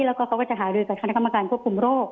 แล้วก็เขาก็จะหารือกับคณะกรรมการควบคุมโรค